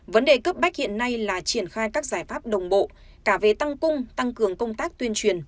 vấn đề cấp bách hiện nay là triển khai các giải pháp đồng bộ cả về tăng cung tăng cường công tác tuyên truyền